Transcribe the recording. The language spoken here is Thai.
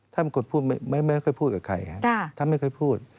ท่านเป็นคนพูดไม่เคยพูดกับใครท่านไม่เคยพูด